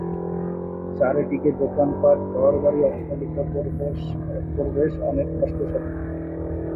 চার দিকে দোকানপাট, ঘরবাড়ি, অট্টালিকা প্রবেশ অনেক কষ্টসাধ্য।